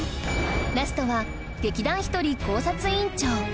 ラストは劇団ひとり考察委員長